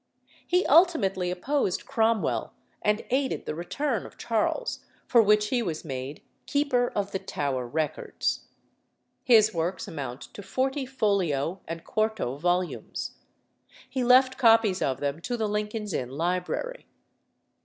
He ultimately opposed Cromwell and aided the return of Charles, for which he was made Keeper of the Tower Records. His works amount to forty folio and quarto volumes. He left copies of them to the Lincoln's Inn library.